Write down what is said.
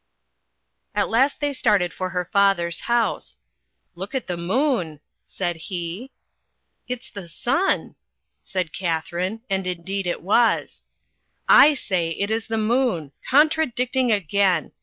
At last they started for her father's house. "Look at the moon," said he. "It's the sun," said Katharine, and indeed it was. "I say it is the moon. Contradicting again!